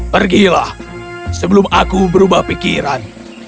pergilah sebelum aku berubah pikiran